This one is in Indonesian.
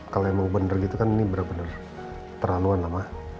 kalau emang bener gitu kan ini bener bener terlalu lama